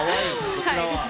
こちらは。